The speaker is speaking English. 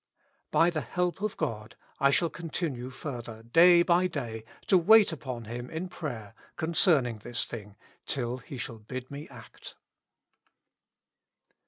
By the help of God I shall continue further day by day to wait upon Him in prayer, concerning this thing, till He shall bid me act.